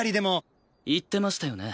言ってましたよね？